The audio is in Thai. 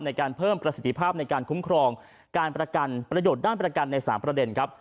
ในการเพิ่มประสิทธิภาพในการคุ้มครองการประกันประโยชน์ด้านประกันใน๓ประเด็นครับ